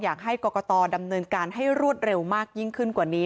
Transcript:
อยากให้กรกตดำเนินการให้รวดเร็วมากยิ่งขึ้นกว่านี้